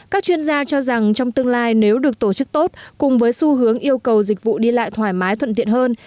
các chuyên gia cho rằng trong tương lai nếu được tổ chức tốt cùng với xu hướng yêu cầu dịch vụ đi lại thoải mái thuận tiện hơn